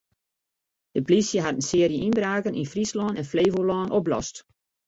De plysje hat in searje ynbraken yn Fryslân en Flevolân oplost.